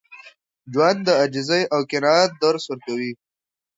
ژوند د عاجزۍ او قناعت درس ورکوي.